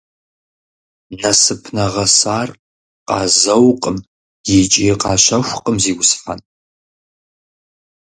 Насып нэгъэсар къазэукъым икӀи къащэхукъым, зиусхьэн.